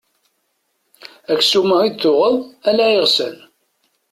Aksum-a i d-tuɣeḍ ala iɣsan.